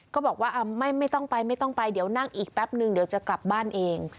ก็บอกว่าไม่ต้องไปเดี๋ยวนั่งอีกแป๊บนึงจะกลับบ้านเอง